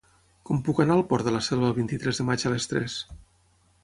Com puc anar al Port de la Selva el vint-i-tres de maig a les tres?